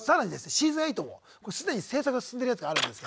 シーズン８も既に制作が進んでるやつがあるんです。